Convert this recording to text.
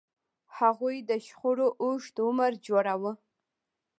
هغوی د شخړو اوږد عمر جوړاوه.